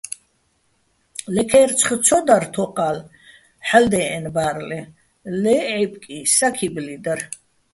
ლე ქაჲრცხი̆ ცო დარ თოყა́ლ ჰ̦ალო̆ დე́ჸენო̆ ბა́რლეჼ, ლე ჺა́ჲბკი, საქიბლი დარ.